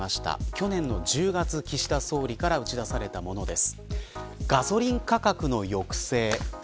去年の１０月、岸田総理から打ち出されたものです。